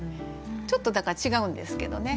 ちょっとだから違うんですけどね。